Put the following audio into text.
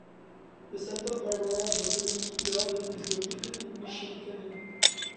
The Santa Barbara Botanic Garden is located in Mission Canyon.